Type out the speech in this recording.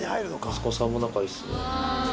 息子さんも仲いいっすね。